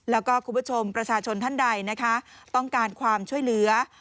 แล้วก็คุณผู้ชมประชาชนท่านใดนะคะต้องการความช่วยเหลือ